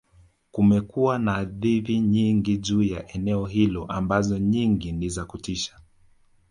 kumekuwa na hadithi nyingi juu ya eneo hilo ambazo nyingi ni za kutisha